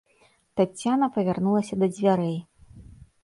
Таццяна павярнулася да дзвярэй.